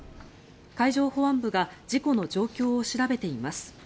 海上保安部が事故の状況を調べています。